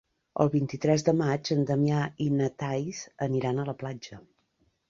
El vint-i-tres de maig en Damià i na Thaís aniran a la platja.